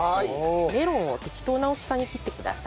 メロンを適当な大きさに切ってください。